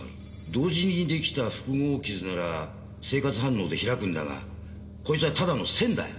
同時に出来た複合傷なら生活反応で開くんだがこいつはただの線だよ。